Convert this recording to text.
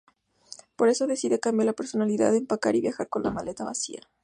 Por eso, decide cambiar de personalidad, no empacar y viajar con la maleta vacía.